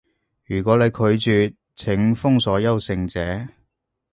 如果你拒絕，請封鎖優勝者